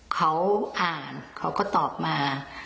เขาอ่านเขาก็ตอบมา